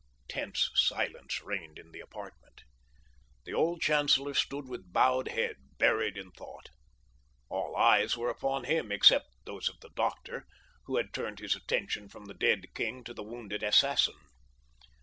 Tense silence reigned in the apartment. The old chancellor stood with bowed head, buried in thought. All eyes were upon him except those of the doctor, who had turned his attention from the dead king to the wounded assassin.